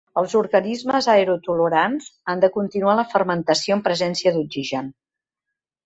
Els organismes aerotolerants han de continuar la fermentació en presència d'oxigen.